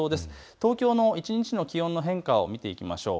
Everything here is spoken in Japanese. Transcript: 東京の一日の気温の変化を見ていきましょう。